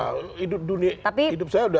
hidup dunia hidup saya sudah